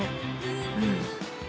うん。